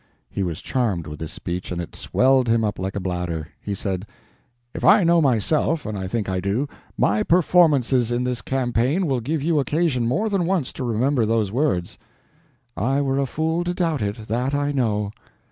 He was charmed with this speech, and it swelled him up like a bladder. He said: "If I know myself—and I think I do—my performances in this campaign will give you occasion more than once to remember those words." "I were a fool to doubt it. That I know."